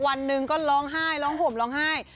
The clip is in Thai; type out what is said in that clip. วันนึงก็ร้องห้ายร้องห่วงร้องห้าย